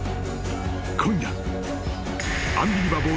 ［今夜］